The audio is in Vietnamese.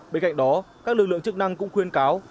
bên cạnh đó các lực lượng chức năng cũng khuyên cáo